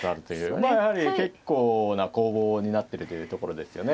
まあやはり結構な攻防になっているというところですよね。